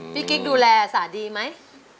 กิ๊กดูแลสาดีไหม